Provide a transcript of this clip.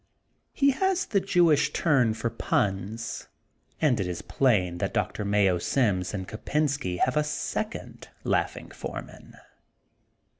He has the Jewish turn for puns and it is plain that Doctor Mayo Sims and Kopensky have a second laughing f oen^an.